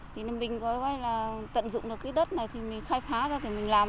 thì mình coi là tận dụng được cái đất này thì mình khai phá ra thì mình làm